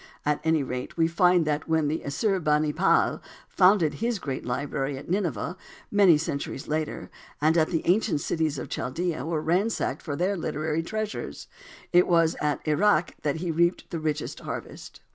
At any rate, we find that when Assur bani pal founded his great library at Nineveh many centuries later, and the ancient cities of Chaldea were ransacked for their literary treasures, it was at Erech that he reaped his richest harvest.